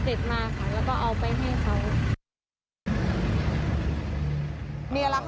ให้หนูเอาไปเข้าถึงแล้วก็เช็คราคาตามที่ได้เจ็ดมาค่ะ